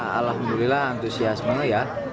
alhamdulillah antusiasme ya